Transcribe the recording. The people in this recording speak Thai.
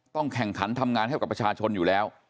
แข่งขันทำงานให้กับประชาชนอยู่แล้ว